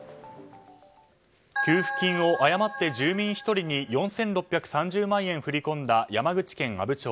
給付金を誤って住民１人に４６３０万円振り込んだ山口県阿武町。